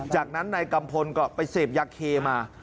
จากนั้นนายกัมพลก็ไปเสพยาเคมา